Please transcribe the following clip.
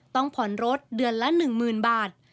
ต้องผ่อนรถเดือนละ๑๐๐๐บาท